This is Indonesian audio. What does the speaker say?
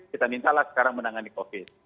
kita mintalah sekarang menangani covid